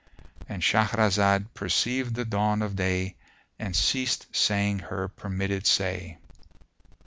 "—And Shahrazad perceived the dawn of day and ceased saying her permitted say.